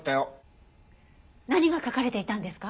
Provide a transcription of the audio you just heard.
何が書かれていたんですか？